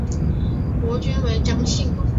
国君为姜姓。